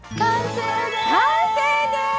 完成です！